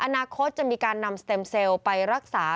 อนาคตจะมีการนำเซลล์สเต็มไปรักษา